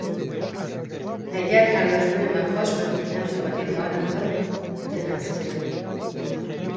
Heger helwestên me baş bin em ji aliyên hevalên xwe ve tên hezkirin.